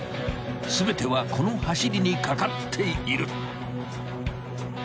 ［全てはこの走りにかかっている］